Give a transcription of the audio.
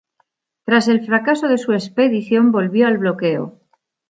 Tras el fracaso de su expedición volvió al bloqueo.